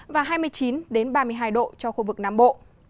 và hai mươi chín ba mươi hai độ cho khu vực nam bộ